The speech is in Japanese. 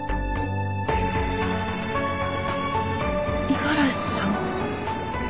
五十嵐さん？